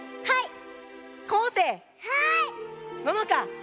はい！